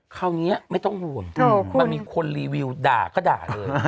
คราวนี้ไม่ต้องว่นโถ่คุณมันมีคนด่าก็ด่าเลย